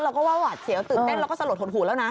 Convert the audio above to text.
เราก็เว่าหวัดเสียของตื่นเต้นเราก็สลดโถฐูแล้วนะ